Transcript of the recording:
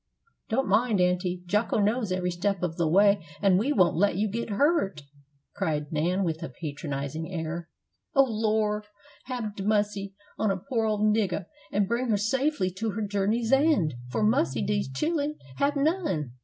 "Don't mind, aunty. Jocko knows every step of the way, and we won't let you get hurt," cried Nan, with a patronizing air. "O Lor' hab mussy on a poor ole niggur, an' bring her safely to her journey's end, for mussy dese chillun hab none!"